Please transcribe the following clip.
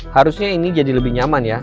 harusnya ini jadi lebih nyaman ya